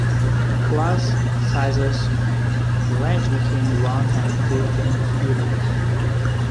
Class sizes range between one and fifteen students.